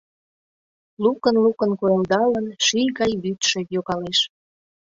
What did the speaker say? Лукын-лукын койылдалын, ший гай вӱдшӧ йогалеш.